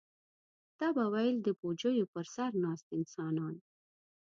تا به ویل د بوجیو پر سر ناست انسانان.